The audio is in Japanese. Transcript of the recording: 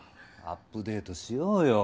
アップデートしようよ